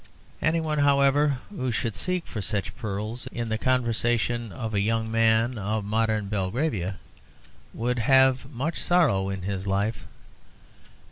Anyone, however, who should seek for such pearls in the conversation of a young man of modern Belgravia would have much sorrow in his life.